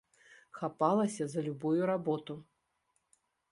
Хапалася за любую работу.